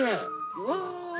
うわ。